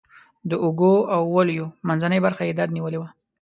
د اوږو او ولیو منځنۍ برخه یې درد نیولې وه.